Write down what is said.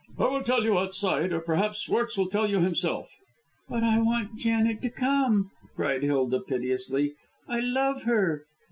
"I will tell you outside, or perhaps Schwartz will tell you himself." "But I want Janet to come," cried Hilda, piteously. "I love her!"